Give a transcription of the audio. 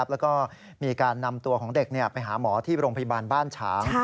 แล้วก็มีการนำตัวของเด็กไปหาหมอที่โรงพยาบาลบ้านฉาง